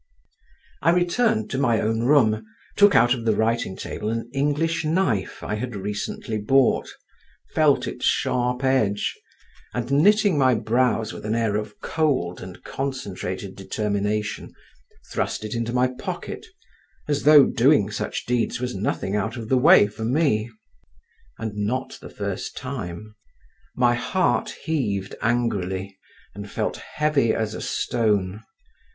I returned to my own room, took out of the writing table an English knife I had recently bought, felt its sharp edge, and knitting my brows with an air of cold and concentrated determination, thrust it into my pocket, as though doing such deeds was nothing out of the way for me, and not the first time. My heart heaved angrily, and felt heavy as a stone.